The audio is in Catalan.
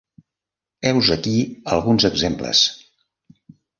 Heus aquí alguns exemples.